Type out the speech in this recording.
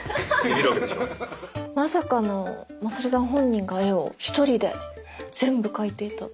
まさかの勝さん本人が絵を一人で全部描いていたって。